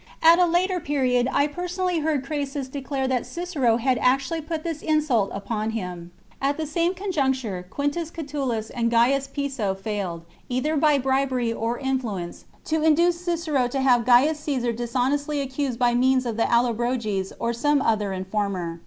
At a later i^^^xod I personally heard Crassus declare that Cicero had actuallyput_this insult upon him. 42 THE CONSPIRACY OF CATILINE. CHAP. At the same conjuncture Quintus Catulus and Gaius Piso failed, either by bribery or influence, to induce fCicero to have Gaius Caesar dishonestly accused by kneans of the Allobroges or some other informer.